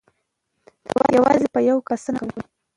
یوازې په یو کار بسنه مه کوئ.